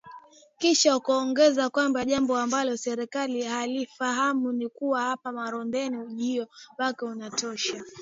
Kisha akaongeza kwamba jambo ambalo serikali hailifahamu ni kuwa hapa Marondera ujio wake unatosha